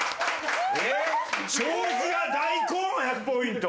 障子が大根は１００ポイント。